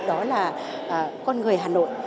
đó là con người hà nội